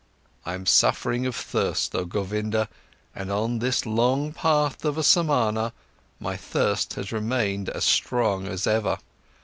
I'm suffering of thirst, oh Govinda, and on this long path of a Samana, my thirst has remained as strong as ever.